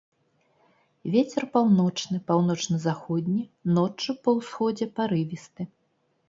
Вецер паўночны, паўночна-заходні, ноччу па ўсходзе парывісты.